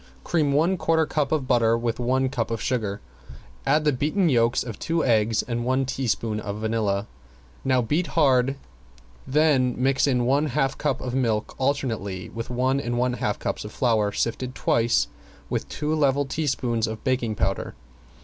Cream one quarter cup of butter with one cup of sugar, add the beaten yolks of two eggs and one teaspoon of vanilla. Now beat hard, then mix in one half cup of milk alternately with one and one half cups of flour sifted twice with two level teaspoons of baking powder.